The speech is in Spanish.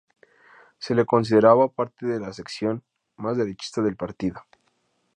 Se le consideraba parte de la sección más derechista del partido.